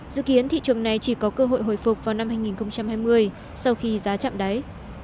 dự kiến thị trường này chỉ có cơ hội hồi phục vào năm hai nghìn hai mươi sau khi giá chạm đáy